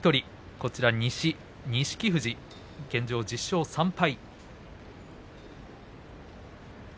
この西の錦富士、現状１０勝３敗。